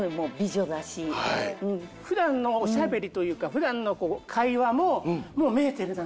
普段のおしゃべりというか普段の会話ももうメーテルなんですよ。